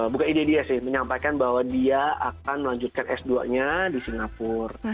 bukan ide dia sih menyampaikan bahwa dia akan melanjutkan s dua nya di singapura